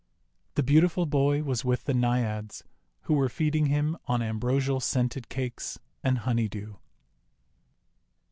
The beautiful boy was with the Naiads, who were feeding him on ambrosial scented cakes and honey dew.